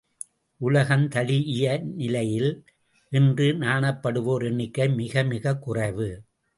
உலகந்தழீஇய நிலையில் இன்று நாணப்படுவோர் எண்ணிக்கை மிகமிகக் குறைவு.